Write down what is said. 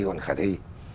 còn khả thi